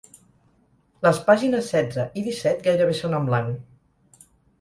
Les pàgines setze i disset gairebé són en blanc.